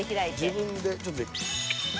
自分で、ちょっと。